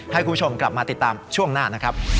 ให้คุณผู้ชมกลับมาติดตามช่วงหน้านะครับ